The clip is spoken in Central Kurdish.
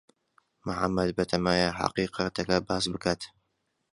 محەمەد بەتەمایە حەقیقەتەکە باس بکات.